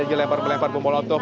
hanya lempar melempar pemolotok